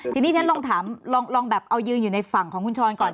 ทีนี้ฉันลองถามลองแบบเอายืนอยู่ในฝั่งของคุณช้อนก่อน